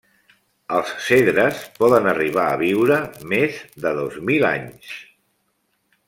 Els cedres poden arribar a viure més de dos mil anys.